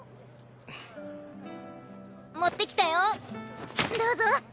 持ってきたよどうぞ。